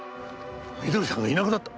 美登里さんがいなくなった！？